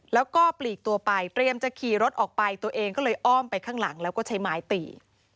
แล้วก็ปลีกตัวไปเตรียมจะขี่รถออกไปตัวเองก็เลยอ้อมไปข้างหลังแล้วก็ใช้ไม้ตี